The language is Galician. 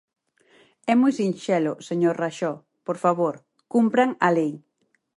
É moi sinxelo, señor Raxó, por favor, ¡cumpran a lei!